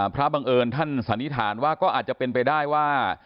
บังเอิญท่านสันนิษฐานว่าก็อาจจะเป็นไปได้ว่า